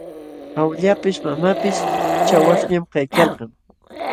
Awillapis mamapis chawaśhñam kaykalkan.